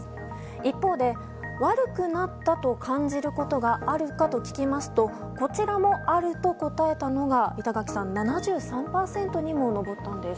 一方で、悪くなったと感じることがあるかと聞きますとこちらも、あると答えたのが板垣さん、７３％にも上ったんです。